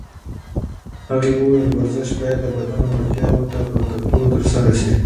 هغې وویل ورزش باید د بدن وړتیاوو ته په کتو ترسره شي.